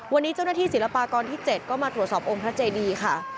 วันนี้เจ้าหน้าที่ศิลปากรที่๗ก็มาตรวจสอบองค์พระเจดีค่ะ